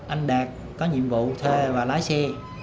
anh đạt có nhiệm vụ thê và lái xe